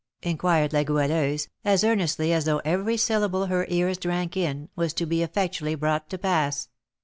inquired La Goualeuse, as earnestly as though every syllable her ears drank in was to be effectually brought to pass.